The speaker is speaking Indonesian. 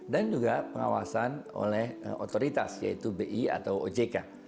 dan juga pengawasan oleh otoritas yaitu bi atau ojk